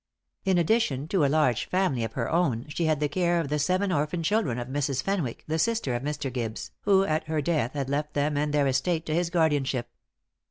In addition to a large family of her own, she had the care of the seven orphan children of Mrs. Fenwick, the sister of Mr. Gibbes, who at her death had left them and their estate to his guardianship.